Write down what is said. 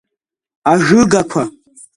Ажыгақәа?!